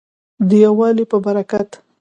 د یووالي په برکت.